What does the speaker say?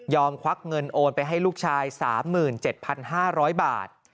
ควักเงินโอนไปให้ลูกชาย๓๗๕๐๐บาท